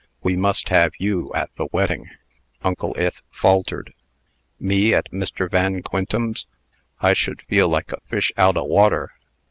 We must have you at the wedding." Uncle Ith faltered. "Me at Mr. Van Quintem's! I should feel like a fish out o' water."